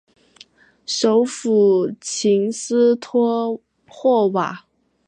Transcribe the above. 首府琴斯托霍瓦。